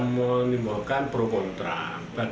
menimbulkan pro kontra